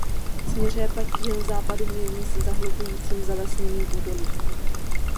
Směřuje pak k jihozápadu mírně se zahlubujícím zalesněným údolím.